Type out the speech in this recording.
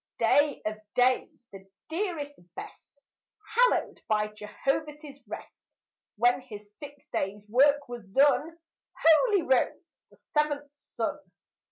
Day of days, the dearest, best, Hallowed by Jehovah's rest! When his six days' work was done, Holy rose the seventh sun.